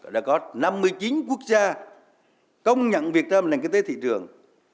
đã có năm mươi chín quốc gia công nhận việc trong nền kinh tế thị trường